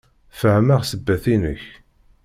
Fehmeɣ ssebbat-inek.